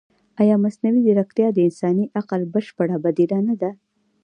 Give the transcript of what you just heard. ایا مصنوعي ځیرکتیا د انساني عقل بشپړه بدیله نه ده؟